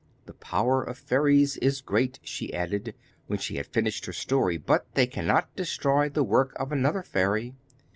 The power of fairies is great,' she added, when she had finished her story, 'but they cannot destroy the work of another fairy.